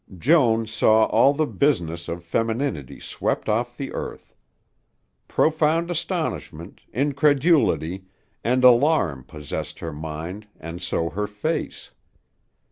Joan saw all the business of femininity swept off the earth. Profound astonishment, incredulity, and alarm possessed her mind and so her face.